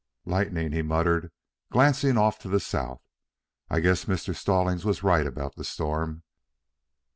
"Lightning," he muttered, glancing off to the south. "I guess Mr. Stallings was right about the storm."